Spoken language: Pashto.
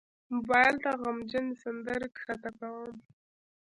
موبایل ته غمجن سندرې ښکته کوم.